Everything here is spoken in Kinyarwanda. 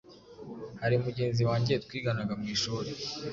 Hari mugenzi wange twiganaga mu ishuri